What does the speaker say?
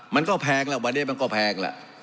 มันก็แพงแล้ววันนี้มันก็แพงแล้ว